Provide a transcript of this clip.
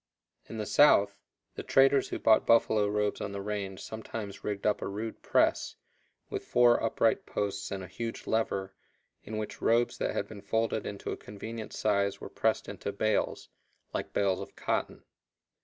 In the south, the traders who bought buffalo robes on the range sometimes rigged up a rude press, with four upright posts and a huge lever, in which robes that had been folded into a convenient size were pressed into bales, like bales of cotton.